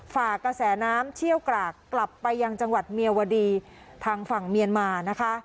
ฝากกระแสน้ำเชี่ยวกรากกลับไปยังจังหวัดเมียวดีทางฝั่งเมียนมานะคะ